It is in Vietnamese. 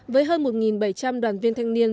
với hơn một bảy trăm linh đoàn viên thanh niên